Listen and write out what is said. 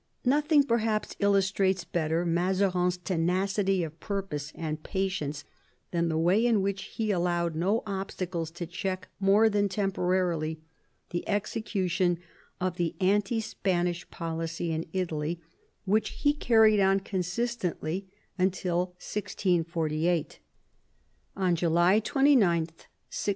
Nothing perhaps illustrates better Mazarin's tenacity of purpose and patience than the way in which he allowed no obstacles to check, more than temporarily, the execution of the anti Spanish policy in Italy which he carried on consistently till II THE REBELLION IN NAPLES 26 1648.